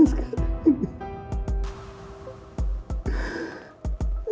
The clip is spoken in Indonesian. ini udah seperti oke